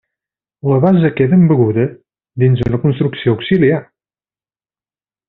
La base queda embeguda dins una construcció auxiliar.